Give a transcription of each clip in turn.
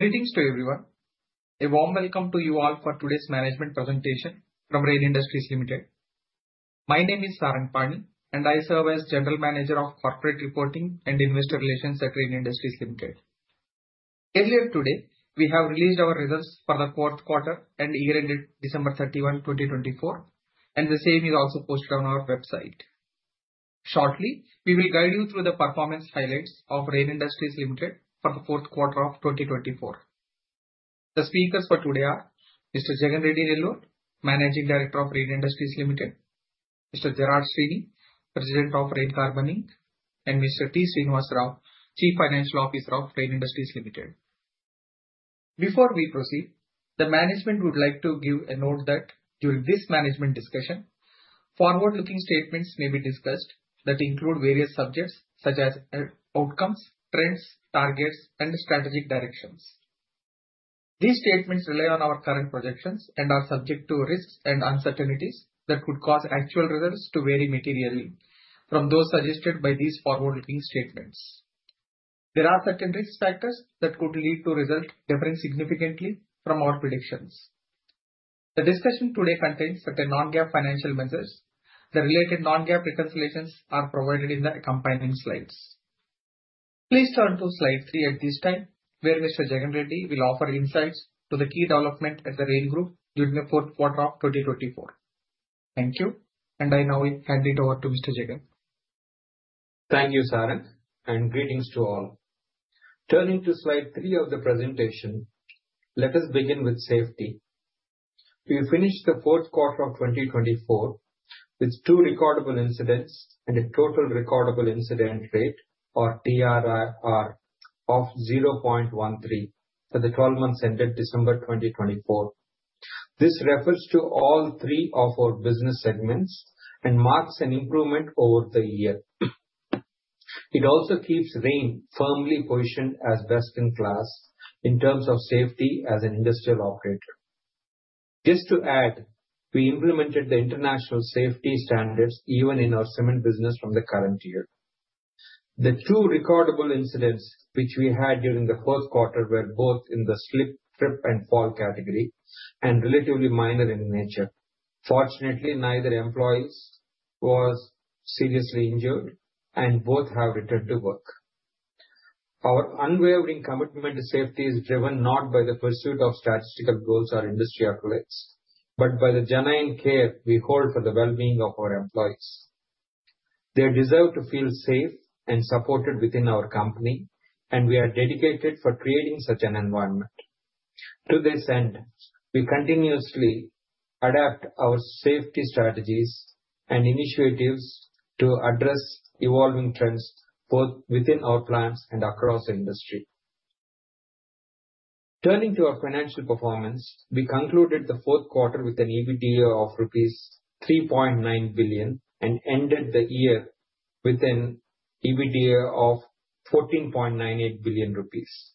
Greetings to everyone, a warm welcome to you all for today's management presentation from Rain Industries Limited. My name is Sarang Pani, and I serve as General Manager of Corporate Reporting and Investor Relations at Rain Industries Limited. Earlier today, we have released our results for the fourth quarter and year-ended December 31, 2024, and the same is also posted on our website. Shortly, we will guide you through the performance highlights of Rain Industries Limited for the fourth quarter of 2024. The speakers for today are Mr. Jagan Reddy Nellore, Managing Director of Rain Industries Limited, Mr. Gerard Sweeney, President of Rain Carbon Inc., and Mr. T. Srinivasa Rao, Chief Financial Officer of Rain Industries Limited. Before we proceed, the management would like to give a note that during this management discussion, forward-looking statements may be discussed that include various subjects such as outcomes, trends, targets, and strategic directions. These statements rely on our current projections and are subject to risks and uncertainties that could cause actual results to vary materially from those suggested by these forward-looking statements. There are certain risk factors that could lead to results differing significantly from our predictions. The discussion today contains certain non-GAAP financial measures. The related non-GAAP reconciliations are provided in the accompanying slides. Please turn to slide three at this time, where Mr. Jagan Reddy will offer insights to the key development at the Rain Group during the fourth quarter of 2024. Thank you, and I now hand it over to Mr. Jagan. Thank you, Sarang, and greetings to all. Turning to slide three of the presentation, let us begin with safety. We finished the fourth quarter of 2024 with two recordable incidents and a total recordable incident rate, or TRIR, of 0.13 for the 12 months ended December 2024. This refers to all three of our business segments and marks an improvement over the year. It also keeps Rain firmly positioned as best in class in terms of safety as an industrial operator. Just to add, we implemented the international safety standards even in our cement business from the current year. The two recordable incidents which we had during the fourth quarter were both in the slip, trip, and fall category and relatively minor in nature. Fortunately, neither employee was seriously injured, and both have returned to work. Our unwavering commitment to safety is driven not by the pursuit of statistical goals or industry accolades, but by the genuine care we hold for the well-being of our employees. They deserve to feel safe and supported within our company, and we are dedicated to creating such an environment. To this end, we continuously adapt our safety strategies and initiatives to address evolving trends both within our plants and across the industry. Turning to our financial performance, we concluded the fourth quarter with an EBITDA of rupees 3.9 billion and ended the year with an EBITDA of 14.98 billion rupees.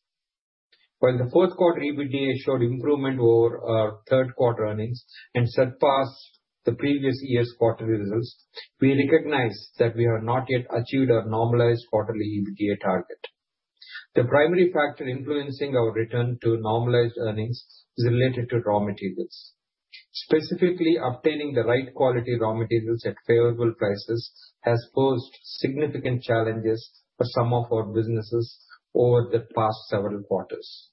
While the fourth quarter EBITDA showed improvement over our third quarter earnings and surpassed the previous year's quarterly results, we recognize that we have not yet achieved our normalized quarterly EBITDA target. The primary factor influencing our return to normalized earnings is related to raw materials. Specifically, obtaining the right quality raw materials at favorable prices has posed significant challenges for some of our businesses over the past several quarters.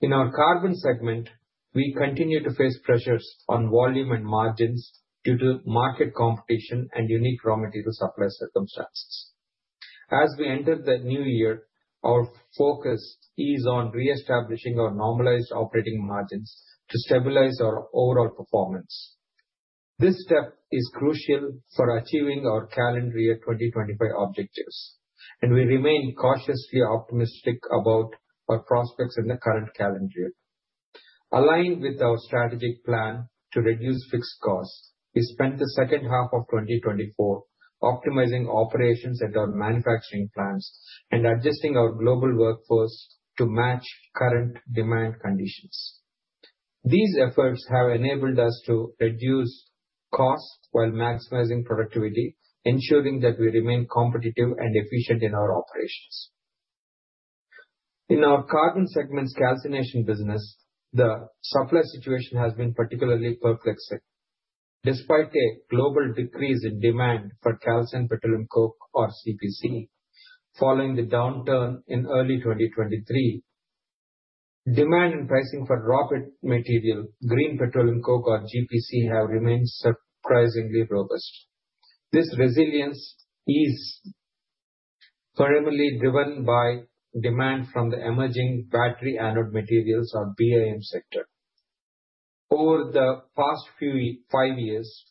In our carbon segment, we continue to face pressures on volume and margins due to market competition and unique raw material supply circumstances. As we enter the new year, our focus is on reestablishing our normalized operating margins to stabilize our overall performance. This step is crucial for achieving our calendar year 2025 objectives, and we remain cautiously optimistic about our prospects in the current calendar year. Aligned with our strategic plan to reduce fixed costs, we spent the second half of 2024 optimizing operations at our manufacturing plants and adjusting our global workforce to match current demand conditions. These efforts have enabled us to reduce costs while maximizing productivity, ensuring that we remain competitive and efficient in our operations. In our carbon segments calcination business, the supply situation has been particularly perplexing. Despite a global decrease in demand for calcined petroleum coke, or CPC, following the downturn in early 2023, demand and pricing for raw material, green petroleum coke, or GPC have remained surprisingly robust. This resilience is primarily driven by demand from the emerging battery anode materials, or BAM, sector. Over the past five years,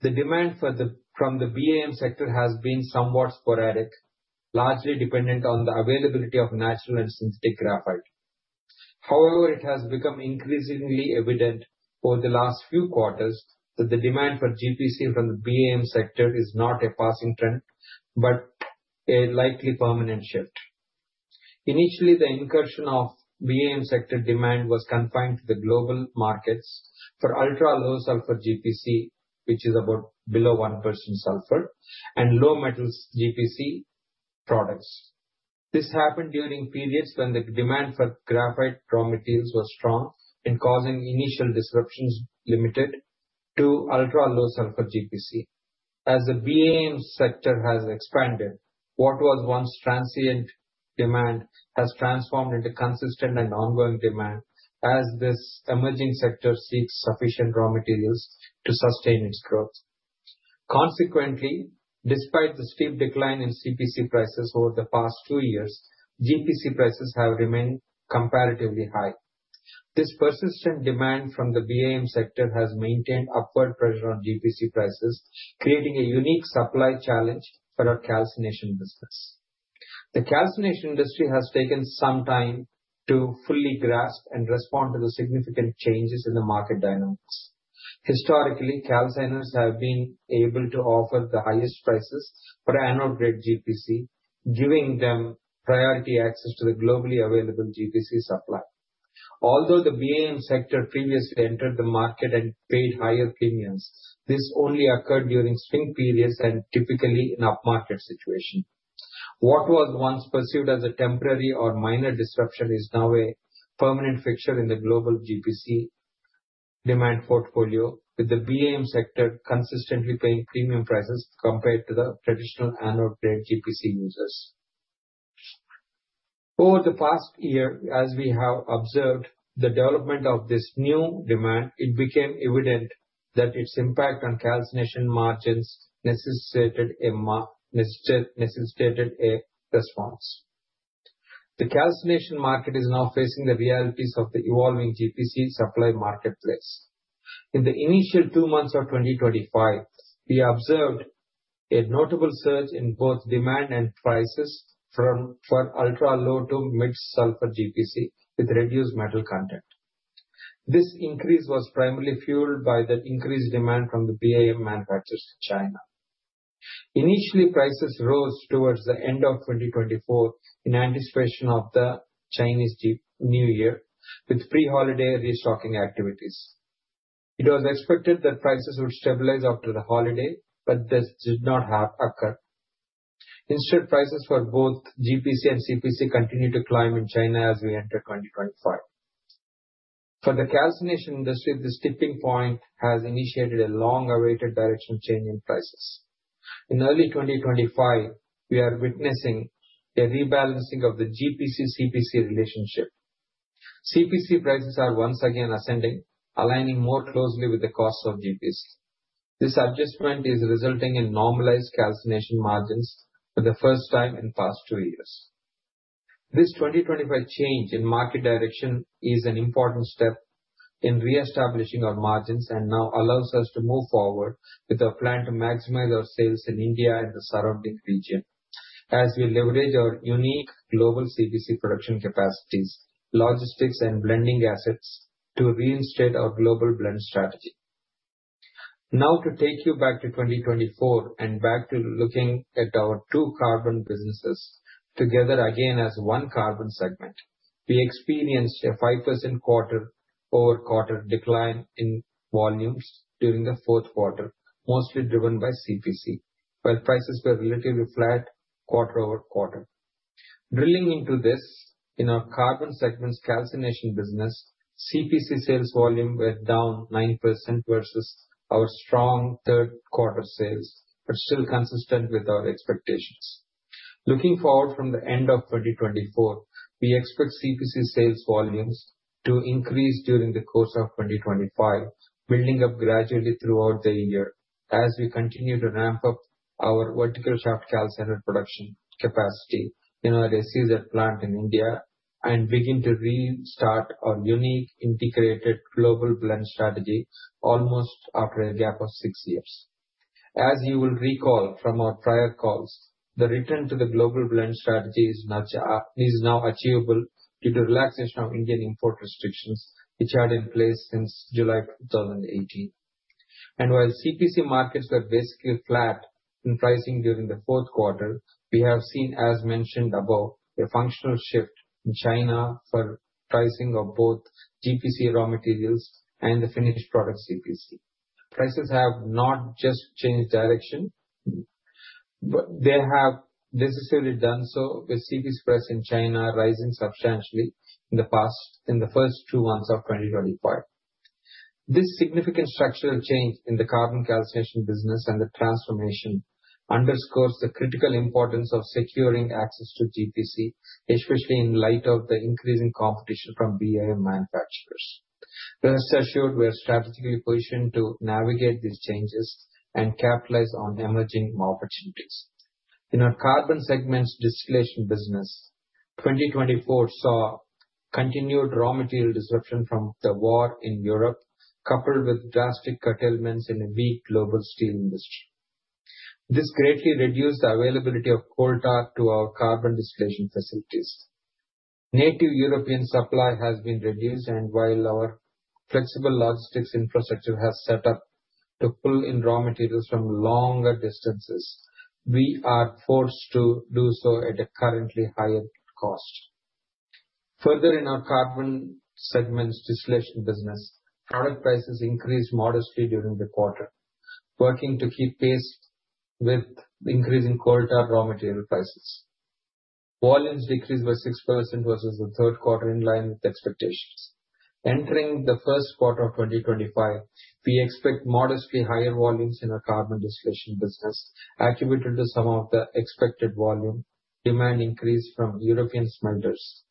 the demand from the BAM sector has been somewhat sporadic, largely dependent on the availability of natural and synthetic graphite. However, it has become increasingly evident over the last few quarters that the demand for GPC from the BAM sector is not a passing trend but a likely permanent shift. Initially, the incursion of BAM sector demand was confined to the global markets for ultra-low sulfur GPC, which is about below 1% sulfur, and low-metals GPC products. This happened during periods when the demand for graphite raw materials was strong and causing initial disruptions limited to ultra-low sulfur GPC. As the BAM sector has expanded, what was once transient demand has transformed into consistent and ongoing demand as this emerging sector seeks sufficient raw materials to sustain its growth. Consequently, despite the steep decline in CPC prices over the past two years, GPC prices have remained comparatively high. This persistent demand from the BAM sector has maintained upward pressure on GPC prices, creating a unique supply challenge for our calcination business. The calcination industry has taken some time to fully grasp and respond to the significant changes in the market dynamics. Historically, calciners have been able to offer the highest prices for anode-grade GPC, giving them priority access to the globally available GPC supply. Although the BAM sector previously entered the market and paid higher premiums, this only occurred during swing periods and typically in upmarket situations. What was once perceived as a temporary or minor disruption is now a permanent fixture in the global GPC demand portfolio, with the BAM sector consistently paying premium prices compared to the traditional anode-grade GPC users. Over the past year, as we have observed the development of this new demand, it became evident that its impact on calcination margins necessitated a response. The calcination market is now facing the realities of the evolving GPC supply marketplace. In the initial two months of 2025, we observed a notable surge in both demand and prices for ultra-low to mid-sulfur GPC with reduced metal content. This increase was primarily fueled by the increased demand from the BAM manufacturers in China. Initially, prices rose towards the end of 2024 in anticipation of the Chinese New Year, with pre-holiday restocking activities. It was expected that prices would stabilize after the holiday, but this did not occur. Instead, prices for both GPC and CPC continued to climb in China as we enter 2025. For the calcination industry, this tipping point has initiated a long-awaited direction change in prices. In early 2025, we are witnessing a rebalancing of the GPC-CPC relationship. CPC prices are once again ascending, aligning more closely with the cost of GPC. This adjustment is resulting in normalized calcination margins for the first time in the past two years. This 2025 change in market direction is an important step in reestablishing our margins and now allows us to move forward with our plan to maximize our sales in India and the surrounding region as we leverage our unique global CPC production capacities, logistics, and blending assets to reinstate our global blend strategy. Now, to take you back to 2024 and back to looking at our two carbon businesses together again as one carbon segment, we experienced a 5% quarter-over-quarter decline in volumes during the fourth quarter, mostly driven by CPC, while prices were relatively flat quarter-over-quarter. Drilling into this, in our carbon segments calcination business, CPC sales volume went down 9% versus our strong third-quarter sales, but still consistent with our expectations. Looking forward from the end of 2024, we expect CPC sales volumes to increase during the course of 2025, building up gradually throughout the year as we continue to ramp up our Vertical Shaft Calciner production capacity in our Vizag plant in India and begin to restart our unique integrated global blend strategy almost after a gap of six years. As you will recall from our prior calls, the return to the global blend strategy is now achievable due to the relaxation of Indian import restrictions, which are in place since July 2018, and while CPC markets were basically flat in pricing during the fourth quarter, we have seen, as mentioned above, a fundamental shift in China for pricing of both GPC raw materials and the finished product CPC. Prices have not just changed direction. They have decisively done so with CPC price in China rising substantially in the first two months of 2025. This significant structural change in the carbon calcination business and the transformation underscores the critical importance of securing access to GPC, especially in light of the increasing competition from BAM manufacturers. Rest assured, we are strategically positioned to navigate these changes and capitalize on emerging opportunities. In our carbon segments distillation business, 2024 saw continued raw material disruption from the war in Europe, coupled with drastic curtailments in a weak global steel industry. This greatly reduced the availability of coal tar to our carbon distillation facilities. Native European supply has been reduced, and while our flexible logistics infrastructure has set up to pull in raw materials from longer distances, we are forced to do so at a currently higher cost. Further, in our carbon segments distillation business, product prices increased modestly during the quarter, working to keep pace with increasing coal tar raw material prices. Volumes decreased by 6% versus the third quarter, in line with expectations. Entering the first quarter of 2025, we expect modestly higher volumes in our carbon distillation business, attributed to some of the expected volume demand increase from European smelters.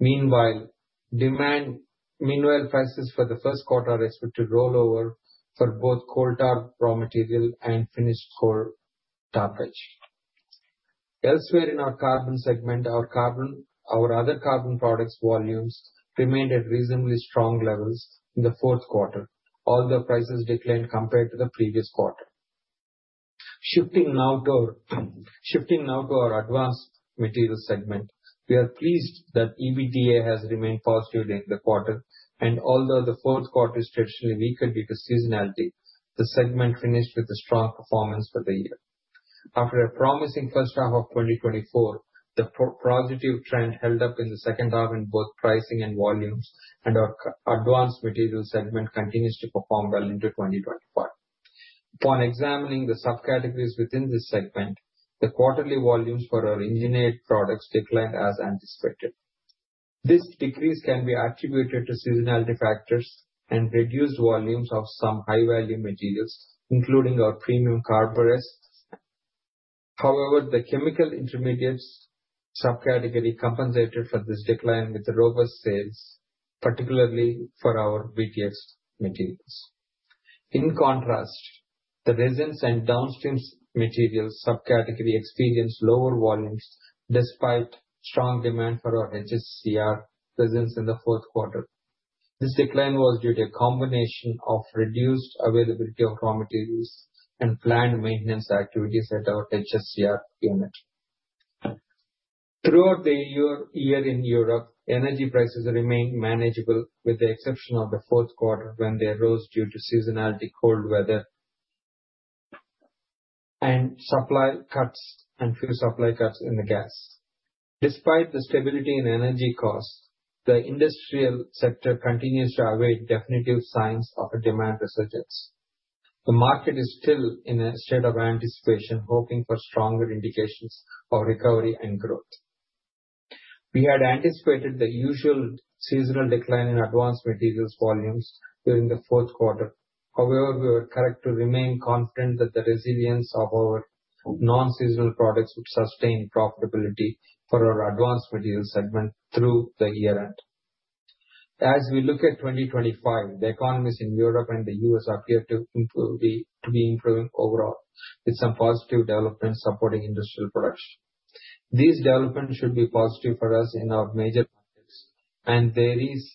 Meanwhile, prices for the first quarter are expected to roll over for both coal tar raw material and finished coal tar pitch. Elsewhere in our carbon segment, our other carbon products' volumes remained at reasonably strong levels in the fourth quarter, although prices declined compared to the previous quarter. Shifting now to our advanced materials segment, we are pleased that EBITDA has remained positive during the quarter, and although the fourth quarter is traditionally weaker due to seasonality, the segment finished with a strong performance for the year. After a promising first half of 2024, the positive trend held up in the second half in both pricing and volumes, and our advanced materials segment continues to perform well into 2025. Upon examining the subcategories within this segment, the quarterly volumes for our engineered products declined as anticipated. This decrease can be attributed to seasonality factors and reduced volumes of some high-value materials, including our premium CARBORES. However, the chemical intermediates subcategory compensated for this decline with robust sales, particularly for our BTX materials. In contrast, the resins and downstream materials subcategory experienced lower volumes despite strong demand for our HHCR resins in the fourth quarter. This decline was due to a combination of reduced availability of raw materials and planned maintenance activities at our HHCR unit. Throughout the year in Europe, energy prices remained manageable, with the exception of the fourth quarter, when they rose due to seasonality, cold weather, and few supply cuts in the gas. Despite the stability in energy costs, the industrial sector continues to await definitive signs of a demand resurgence. The market is still in a state of anticipation, hoping for stronger indications of recovery and growth. We had anticipated the usual seasonal decline in advanced materials volumes during the fourth quarter. However, we were correct to remain confident that the resilience of our non-seasonal products would sustain profitability for our advanced materials segment through the year end. As we look at 2025, the economies in Europe and the U.S. appear to be improving overall, with some positive developments supporting industrial production. These developments should be positive for us in our major markets, and there is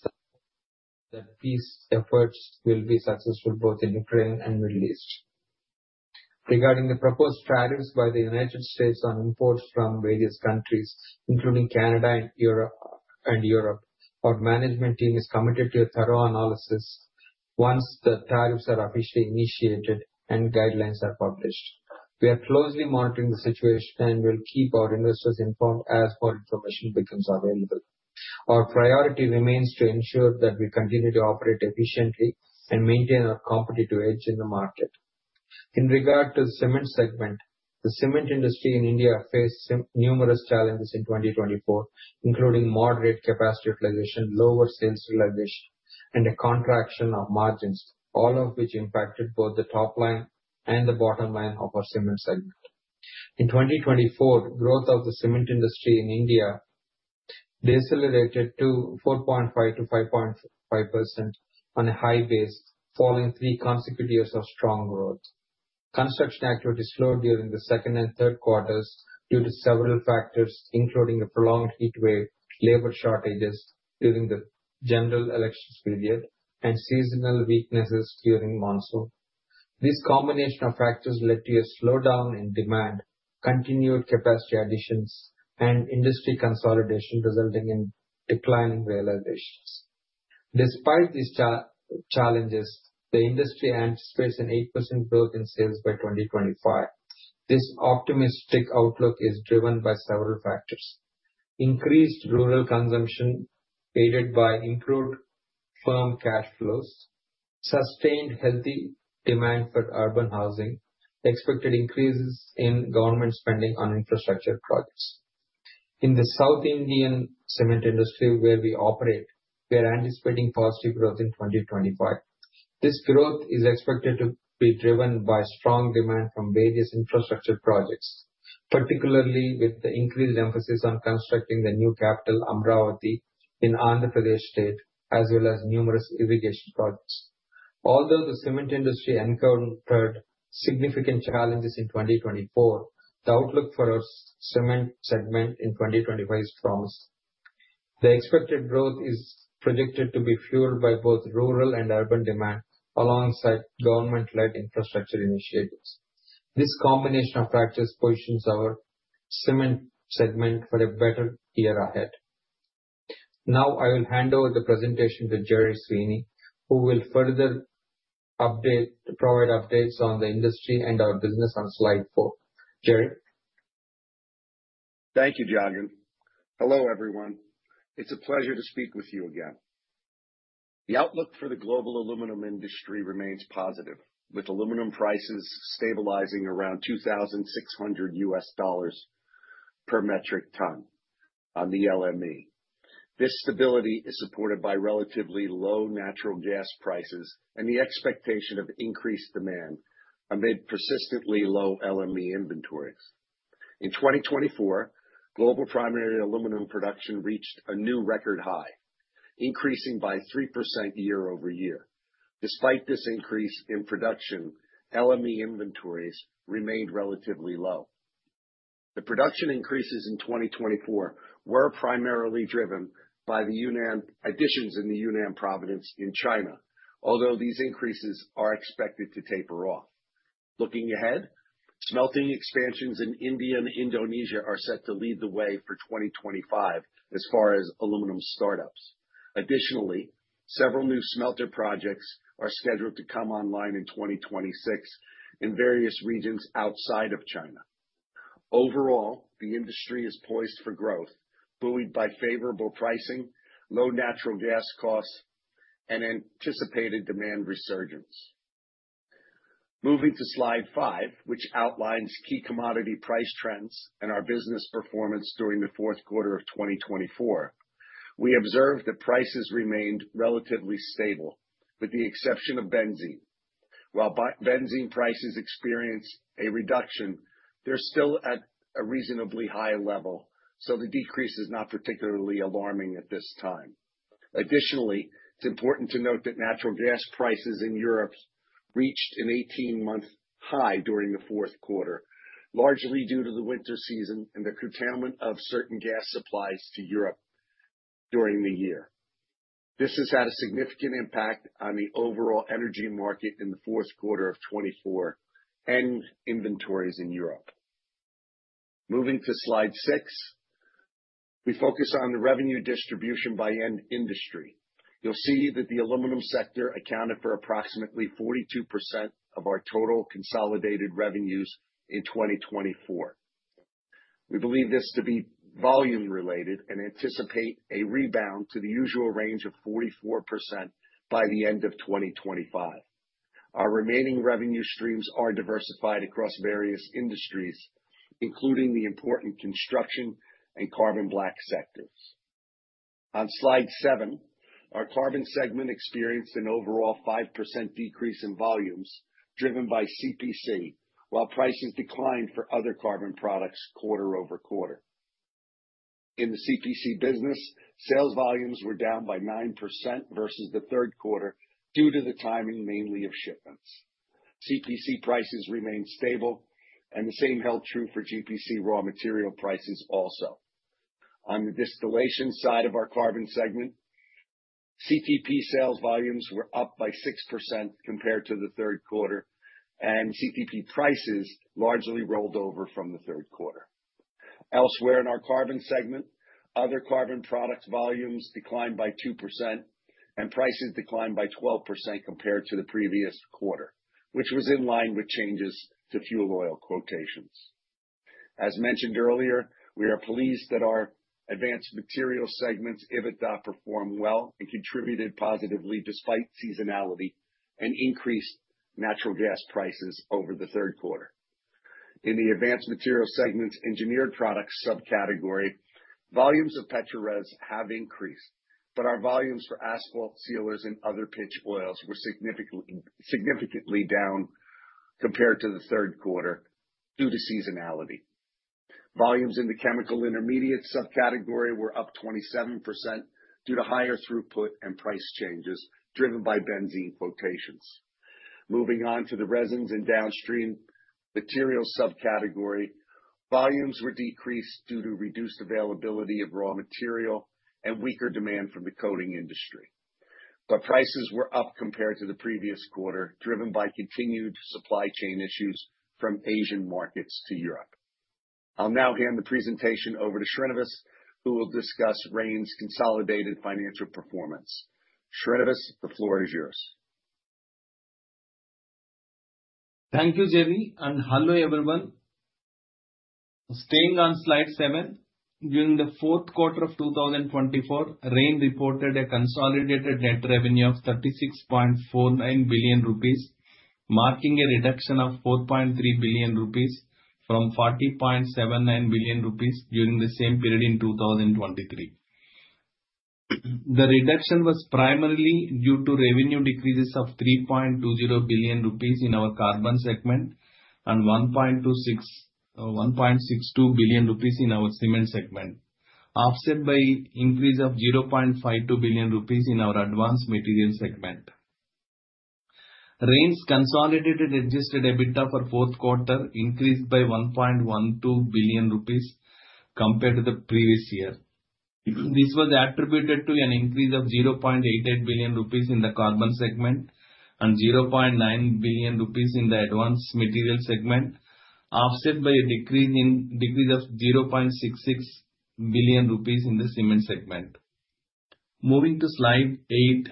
that these efforts will be successful both in Ukraine and the Middle East. Regarding the proposed tariffs by the United States on imports from various countries, including Canada and Europe, our management team is committed to a thorough analysis once the tariffs are officially initiated and guidelines are published. We are closely monitoring the situation and will keep our investors informed as more information becomes available. Our priority remains to ensure that we continue to operate efficiently and maintain our competitive edge in the market. In regard to the cement segment, the cement industry in India faced numerous challenges in 2024, including moderate capacity utilization, lower sales realization, and a contraction of margins, all of which impacted both the top line and the bottom line of our cement segment. In 2024, growth of the cement industry in India decelerated to 4.5%-5.5% on a high base, following three consecutive years of strong growth. Construction activity slowed during the second and third quarters due to several factors, including a prolonged heat wave, labor shortages during the general elections period, and seasonal weaknesses during monsoon. This combination of factors led to a slowdown in demand, continued capacity additions, and industry consolidation, resulting in declining realizations. Despite these challenges, the industry anticipates an 8% growth in sales by 2025. This optimistic outlook is driven by several factors: increased rural consumption aided by improved firm cash flows, sustained healthy demand for urban housing, and expected increases in government spending on infrastructure projects. In the South Indian cement industry, where we operate, we are anticipating positive growth in 2025. This growth is expected to be driven by strong demand from various infrastructure projects, particularly with the increased emphasis on constructing the new capital, Amaravati, in Andhra Pradesh state, as well as numerous irrigation projects. Although the cement industry encountered significant challenges in 2024, the outlook for our cement segment in 2025 is promising. The expected growth is projected to be fueled by both rural and urban demand alongside government-led infrastructure initiatives. This combination of factors positions our cement segment for a better year ahead. Now, I will hand over the presentation to Gerard Sweeney, who will further provide updates on the industry and our business on slide four. Gerard. Thank you, Jagan. Hello, everyone. It's a pleasure to speak with you again. The outlook for the global aluminum industry remains positive, with aluminum prices stabilizing around $2,600 per metric ton on the LME. This stability is supported by relatively low natural gas prices and the expectation of increased demand amid persistently low LME inventories. In 2024, global primary aluminum production reached a new record high, increasing by 3% year over year. Despite this increase in production, LME inventories remained relatively low. The production increases in 2024 were primarily driven by the additions in the Yunnan province in China, although these increases are expected to taper off. Looking ahead, smelting expansions in India and Indonesia are set to lead the way for 2025 as far as aluminum startups. Additionally, several new smelter projects are scheduled to come online in 2026 in various regions outside of China. Overall, the industry is poised for growth, buoyed by favorable pricing, low natural gas costs, and anticipated demand resurgence. Moving to slide five, which outlines key commodity price trends and our business performance during the fourth quarter of 2024, we observed that prices remained relatively stable, with the exception of benzene. While benzene prices experienced a reduction, they're still at a reasonably high level, so the decrease is not particularly alarming at this time. Additionally, it's important to note that natural gas prices in Europe reached an 18-month high during the fourth quarter, largely due to the winter season and the curtailment of certain gas supplies to Europe during the year. This has had a significant impact on the overall energy market in the fourth quarter of 2024 and inventories in Europe. Moving to slide six, we focus on the revenue distribution by end industry. You'll see that the aluminum sector accounted for approximately 42% of our total consolidated revenues in 2024. We believe this to be volume-related and anticipate a rebound to the usual range of 44% by the end of 2025. Our remaining revenue streams are diversified across various industries, including the important construction and carbon black sectors. On slide seven, our carbon segment experienced an overall 5% decrease in volumes driven by CPC, while prices declined for other carbon products quarter over quarter. In the CPC business, sales volumes were down by 9% versus the third quarter due to the timing, mainly of shipments. CPC prices remained stable, and the same held true for GPC raw material prices also. On the distillation side of our carbon segment, CTP sales volumes were up by 6% compared to the third quarter, and CTP prices largely rolled over from the third quarter. Elsewhere in our carbon segment, other carbon product volumes declined by 2%, and prices declined by 12% compared to the previous quarter, which was in line with changes to fuel oil quotations. As mentioned earlier, we are pleased that our advanced materials segment's EBITDA performed well and contributed positively despite seasonality and increased natural gas prices over the third quarter. In the advanced materials segments, engineered products subcategory, volumes of petroleum resins have increased, but our volumes for asphalt, sealers, and other pitch oils were significantly down compared to the third quarter due to seasonality. Volumes in the chemical intermediates subcategory were up 27% due to higher throughput and price changes driven by benzene quotations. Moving on to the resins and downstream materials subcategory, volumes were decreased due to reduced availability of raw material and weaker demand from the coating industry, but prices were up compared to the previous quarter, driven by continued supply chain issues from Asian markets to Europe. I'll now hand the presentation over to Srinivas, who will discuss Rain's consolidated financial performance. Srinivas, the floor is yours. Thank you, Jerry, and hello, everyone. Staying on slide seven, during the fourth quarter of 2024, Rain reported a consolidated net revenue of ₹36.49 billion, marking a reduction of ₹4.3 billion from ₹40.79 billion during the same period in 2023. The reduction was primarily due to revenue decreases of 3.20 billion rupees in our carbon segment and 1.62 billion rupees in our cement segment, offset by an increase of 0.52 billion rupees in our advanced materials segment. Rain's consolidated adjusted EBITDA for the fourth quarter increased by 1.12 billion rupees compared to the previous year. This was attributed to an increase of 0.88 billion rupees in the carbon segment and 0.9 billion rupees in the advanced materials segment, offset by a decrease of 0.66 billion rupees in the cement segment. Moving to slide eight,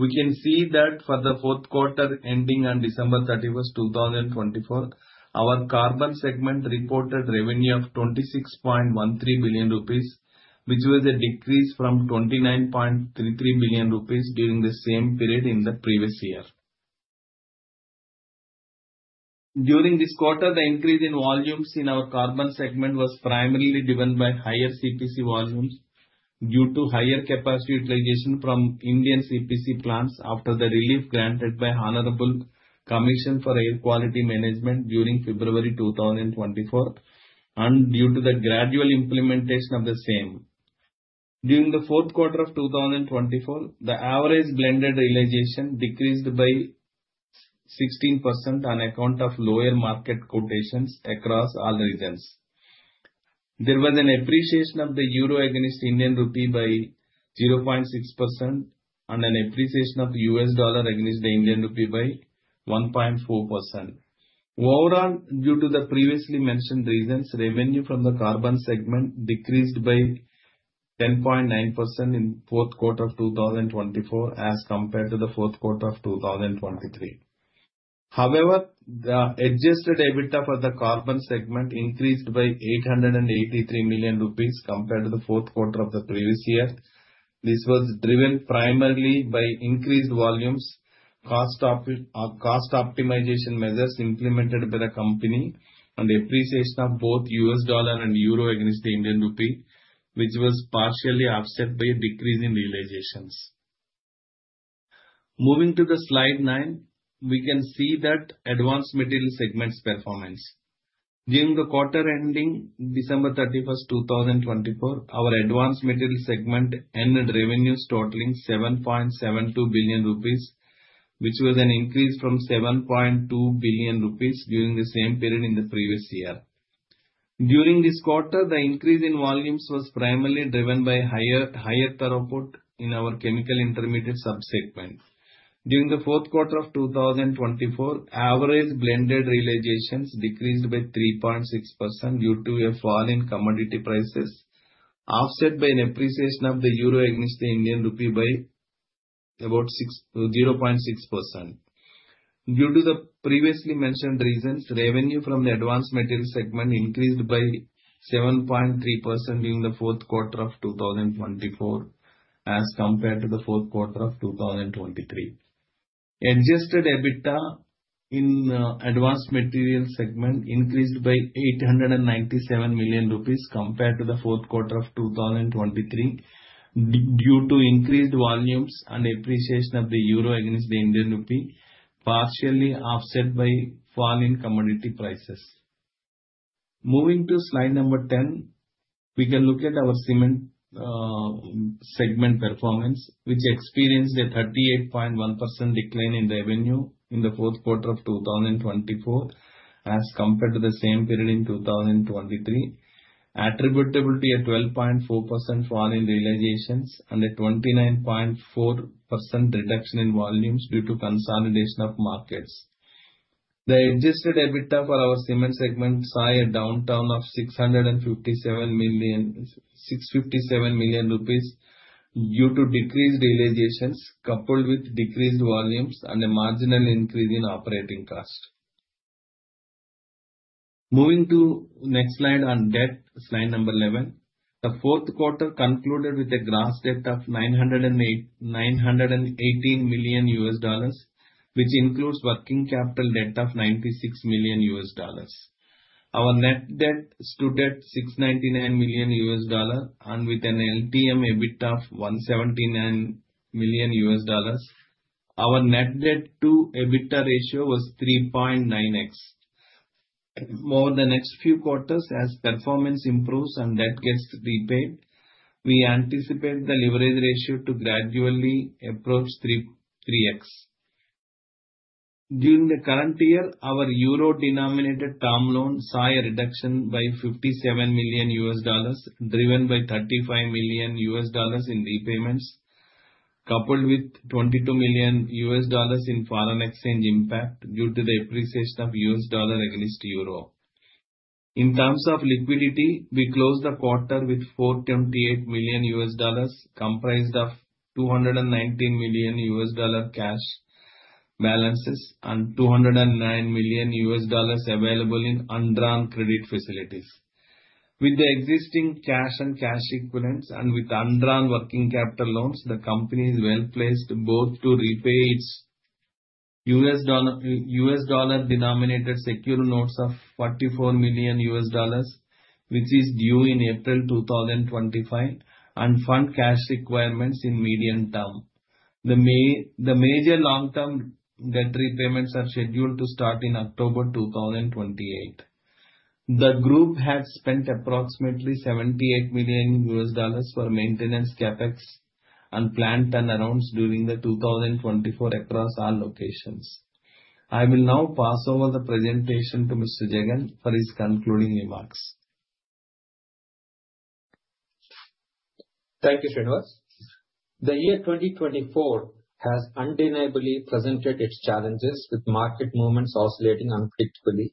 we can see that for the fourth quarter ending on December 31st, 2024, our carbon segment reported revenue of 26.13 billion rupees, which was a decrease from 29.33 billion rupees during the same period in the previous year. During this quarter, the increase in volumes in our carbon segment was primarily driven by higher CPC volumes due to higher capacity utilization from Indian CPC plants after the relief granted by the Honorable Commission for Air Quality Management during February 2024 and due to the gradual implementation of the same. During the fourth quarter of 2024, the average blended realization decreased by 16% on account of lower market quotations across all regions. There was an appreciation of the euro against Indian rupee by 0.6% and an appreciation of U.S. dollar against the Indian rupee by 1.4%. Overall, due to the previously mentioned reasons, revenue from the carbon segment decreased by 10.9% in the fourth quarter of 2024 as compared to the fourth quarter of 2023. However, the adjusted EBITDA for the carbon segment increased by 883 million rupees compared to the fourth quarter of the previous year. This was driven primarily by increased volumes, cost optimization measures implemented by the company, and appreciation of both US dollar and euro against the Indian rupee, which was partially offset by a decrease in realizations. Moving to the slide nine, we can see that advanced material segment's performance. During the quarter ending December 31st, 2024, our advanced material segment ended revenues totaling ₹7.72 billion, which was an increase from ₹7.2 billion during the same period in the previous year. During this quarter, the increase in volumes was primarily driven by higher throughput in our chemical intermediate subsegment. During the fourth quarter of 2024, average blended realizations decreased by 3.6% due to a fall in commodity prices, offset by an appreciation of the euro against the Indian rupee by about 0.6%. Due to the previously mentioned reasons, revenue from the advanced material segment increased by 7.3% during the fourth quarter of 2024 as compared to the fourth quarter of 2023. Adjusted EBITDA in the advanced material segment increased by 897 million rupees compared to the fourth quarter of 2023 due to increased volumes and appreciation of the euro against the Indian rupee, partially offset by fall in commodity prices. Moving to slide number 10, we can look at our cement segment performance, which experienced a 38.1% decline in revenue in the fourth quarter of 2024 as compared to the same period in 2023, attributable to a 12.4% fall in realizations and a 29.4% reduction in volumes due to consolidation of markets. The adjusted EBITDA for our cement segment saw a downturn of 657 million due to decreased realizations coupled with decreased volumes and a marginal increase in operating cost. Moving to the next slide on debt, slide number 11, the fourth quarter concluded with a gross debt of $918 million, which includes working capital debt of $96 million. Our net debt stood at $699 million and with an LTM EBITDA of $179 million, our net debt-to-EBITDA ratio was 3.9x. Over the next few quarters, as performance improves and debt gets repaid, we anticipate the leverage ratio to gradually approach 3x. During the current year, our euro-denominated term loan saw a reduction by $57 million, driven by $35 million in repayments, coupled with $22 million in foreign exchange impact due to the appreciation of US dollar against euro. In terms of liquidity, we closed the quarter with $428 million US dollars comprised of $219 million US dollar cash balances and $209 million US dollars available in undrawn credit facilities. With the existing cash and cash equivalents and with undrawn working capital loans, the company is well placed both to repay its US dollar denominated secure notes of $44 million US dollars, which is due in April 2025, and fund cash requirements in medium term. The major long-term debt repayments are scheduled to start in October 2028. The group had spent approximately $78 million US dollars for maintenance CapEx and planned turnarounds during 2024 across all locations. I will now hand over the presentation to Mr. Jagan for his concluding remarks. Thank you, Srinivas. The year 2024 has undeniably presented its challenges, with market movements oscillating unpredictably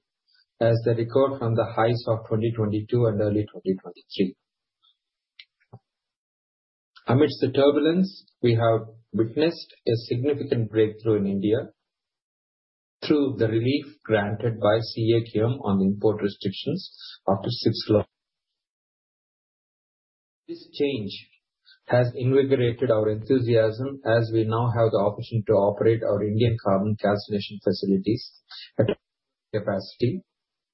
as they recover from the highs of 2022 and early 2023. Amidst the turbulence, we have witnessed a significant breakthrough in India through the relief granted by CAQM on the import restrictions after six lockdowns. This change has invigorated our enthusiasm as we now have the opportunity to operate our Indian carbon calcination facilities at our capacity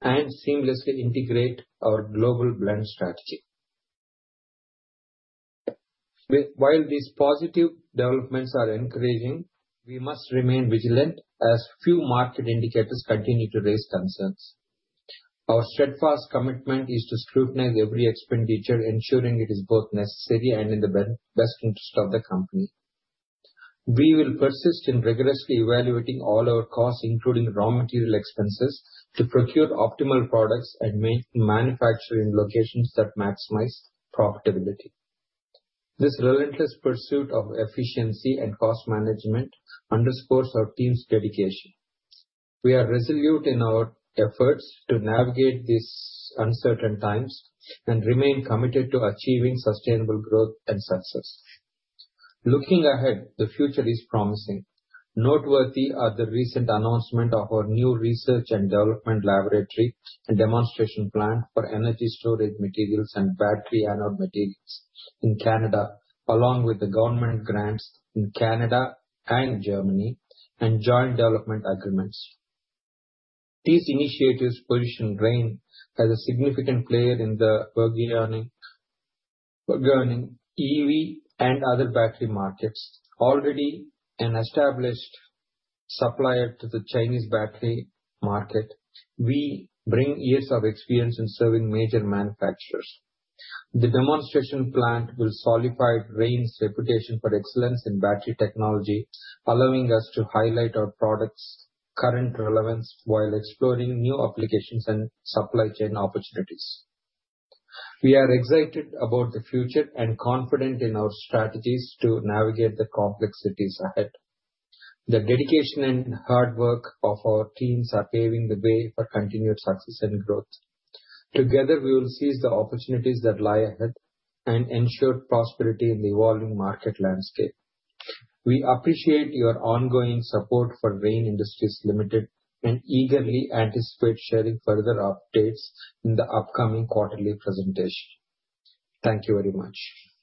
and seamlessly integrate our global blend strategy. While these positive developments are encouraging, we must remain vigilant as few market indicators continue to raise concerns. Our steadfast commitment is to scrutinize every expenditure, ensuring it is both necessary and in the best interest of the company. We will persist in rigorously evaluating all our costs, including raw material expenses, to procure optimal products and manufacture in locations that maximize profitability. This relentless pursuit of efficiency and cost management underscores our team's dedication. We are resolute in our efforts to navigate these uncertain times and remain committed to achieving sustainable growth and success. Looking ahead, the future is promising. Noteworthy are the recent announcement of our new research and development laboratory and demonstration plant for energy storage materials and battery anode materials in Canada, along with the government grants in Canada and Germany and joint development agreements. These initiatives position Rain as a significant player in the EV and other battery markets. Already an established supplier to the Chinese battery market, we bring years of experience in serving major manufacturers. The demonstration plant will solidify Rain's reputation for excellence in battery technology, allowing us to highlight our products' current relevance while exploring new applications and supply chain opportunities. We are excited about the future and confident in our strategies to navigate the complexities ahead. The dedication and hard work of our teams are paving the way for continued success and growth. Together, we will seize the opportunities that lie ahead and ensure prosperity in the evolving market landscape. We appreciate your ongoing support for Rain Industries Limited and eagerly anticipate sharing further updates in the upcoming quarterly presentation. Thank you very much.